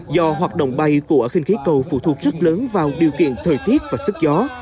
do hoạt động bay của khinh khí cầu phụ thuộc rất lớn vào điều kiện thời tiết và sức gió